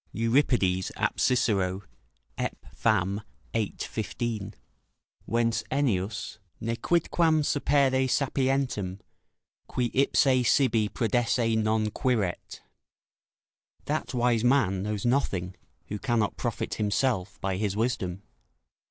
Euripides, ap. Cicero, Ep. Fam., xiii. 15.] Whence Ennius: "Nequidquam sapere sapientem, qui ipse sibi prodesse non quiret." ["That wise man knows nothing, who cannot profit himself by his wisdom."